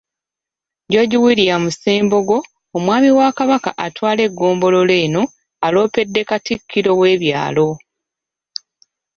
George William Ssembogo omwami wa Kabaka atwala eggomboolola eno, aloopedde Katikkiro w’ebyalo.